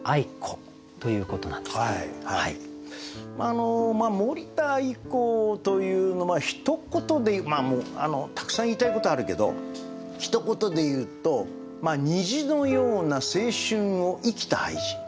あの森田愛子というのはひと言でまあもうたくさん言いたいことあるけどひと言で言うと虹のような青春を生きた俳人。